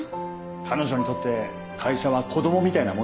彼女にとって会社は子供みたいなもんだから。